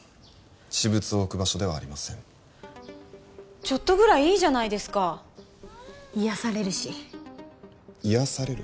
私物を置く場所ではありませんちょっとぐらいいいじゃないですか癒やされるし癒やされる？